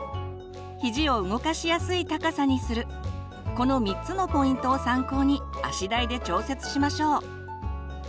この３つのポイントを参考に足台で調節しましょう。